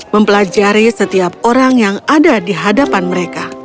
mempelajari setiap orang yang ada di hadapan mereka